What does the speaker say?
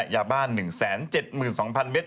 ยาบ้าน๑๗๒๐๐เมตร